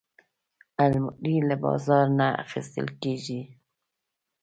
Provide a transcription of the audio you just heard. الماري له بازار نه اخیستل کېږي